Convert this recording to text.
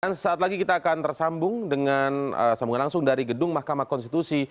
dan saat lagi kita akan tersambung dengan sambungan langsung dari gedung mahkamah konstitusi